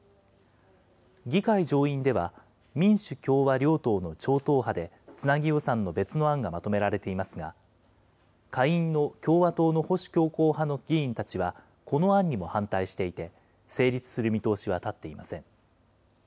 議会上院では、民主、共和両党の超党派でつなぎ予算の別の案がまとめられていますが、下院の共和党の保守強硬派の議員たちは、この案にも反対していて、成立する見通しは立っていません。